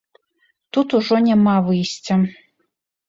Тут ужо няма выйсця.